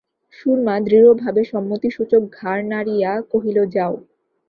সুরমা দৃঢ়ভাবে সম্মতিসূচক ঘাড় নাড়িয়া কহিল, যাও।